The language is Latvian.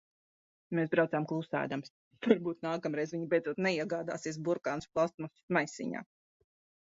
Mēs braucam klusēdamas. Varbūt nākamreiz viņa beidzot neiegādāsies burkānus plastmasas maisiņā.